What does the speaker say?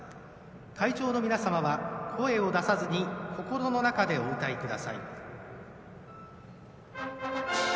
会場の皆様は声を出さずに心の中でお歌いください。